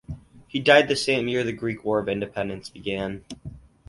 He died the same year the Greek War of Independence began.